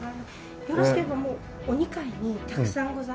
よろしければお二階にたくさんございますので。